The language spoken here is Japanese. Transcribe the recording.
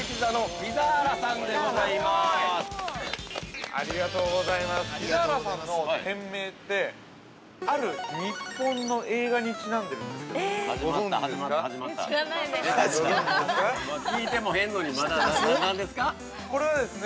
ピザーラさんの店名ってある日本の映画にちなんでるんですけどご存じですか？